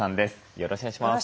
よろしくお願いします。